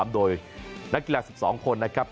โดยนักกีฬา๑๒คนนะครับ